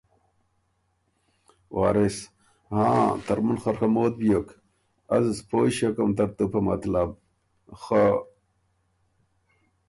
وارث ـــ”هاں! ترمُن خه ڒموت بیوک از پویٛ ݭیوکم ترتُو په مطلب۔۔۔ خه۔۔۔“